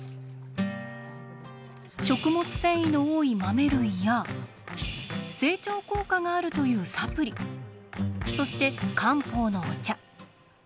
食物繊維の多い豆類や整腸効果があるというサプリそして漢方のお茶。